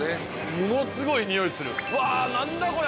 ものすごい匂いするうわ何だこりゃ。